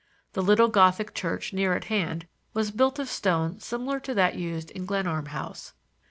The little Gothic church near at hand was built of stone similar to that used in Glenarm House.